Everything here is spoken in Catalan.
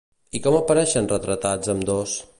I com apareixen retratats ambdós?